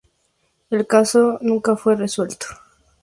El caso nunca fue resuelto.